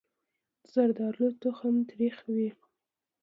زردالو تخم تریخ وي.